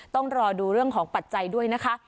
ต้องรอดูเรื่องของปัจจัยด้วยนะคะ